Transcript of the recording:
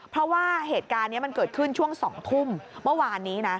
เพราะว่าเหตุการณ์นี้มันเกิดขึ้นช่วง๒ทุ่มเมื่อวานนี้นะ